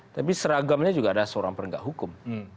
tapi seragamnya juga ada seorang penegak hukum